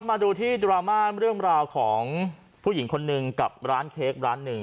มาดูที่ดราม่าเรื่องราวของผู้หญิงคนหนึ่งกับร้านเค้กร้านหนึ่ง